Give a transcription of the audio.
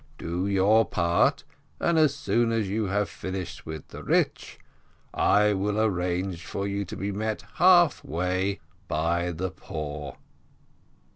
Do your part, and as soon as you have finished with the rich, I will arrange for you to be met half way by the poor.